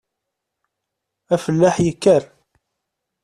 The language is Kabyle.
Afellaḥ yekker.